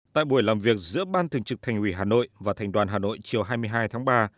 tại buổi làm việc giữa ban thường trực thành ủy hà nội và thành đoàn hà nội chiều hai mươi hai tháng ba